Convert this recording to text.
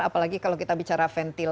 apalagi kalau kita bicara ventilator